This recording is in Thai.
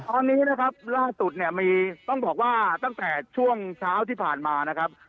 ตอนนี้นะครับล่าสุดเนี่ยมีต้องบอกว่าตั้งแต่ช่วงเช้าที่ผ่านมานะครับ